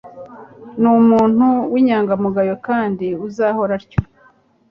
Ni umuntu w'inyangamugayo kandi azahora atyo.